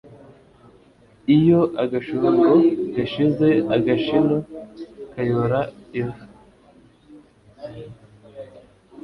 iyo agashungo gashize, agashino kayora ivu